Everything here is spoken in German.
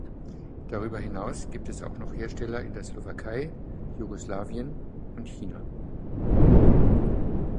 Darüber hinaus gibt es auch noch Hersteller in der Slowakei, Jugoslawien und China.